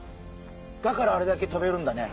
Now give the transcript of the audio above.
だからあれだけ飛べるんだね。